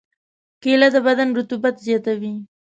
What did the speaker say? کېله د بدن رطوبت زیاتوي.